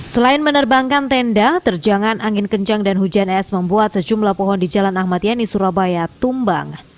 selain menerbangkan tenda terjangan angin kencang dan hujan es membuat sejumlah pohon di jalan ahmad yani surabaya tumbang